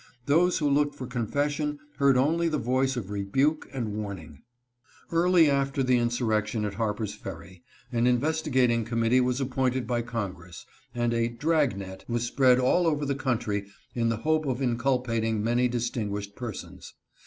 Those who looked for confession heard only the voice of rebuke and warning. Early after the insurrection at Harper's Ferry an inves tigating committee was appointed by Congress, and a " drag net " was spread all over the country in the hope of inculpating many distinguished persons.